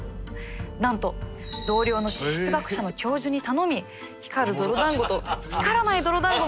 なんと同僚の地質学者の教授に頼み光る泥だんごと光らない泥だんごの表面の解析までしたんです。